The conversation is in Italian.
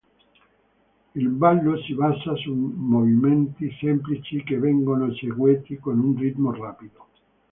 Il ballo si basa su movimenti semplici che vengono eseguiti con un ritmo rapido.